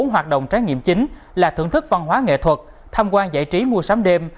bốn hoạt động trải nghiệm chính là thưởng thức văn hóa nghệ thuật tham quan giải trí mua sắm đêm